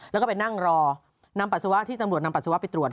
แล้วก็ไปนั่งรอนำปัสสาวะที่ตำรวจนำปัสสาวะไปตรวจ